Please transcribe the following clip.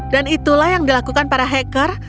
dan itulah yang dilakukan para hacker